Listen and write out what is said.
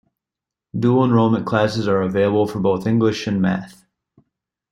Dual Enrollment classes are available for both English and Math.